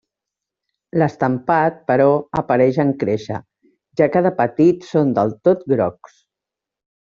L'estampat, però, apareix en créixer, ja que de petit són del tot grocs.